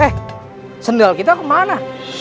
eh sendal kita kemana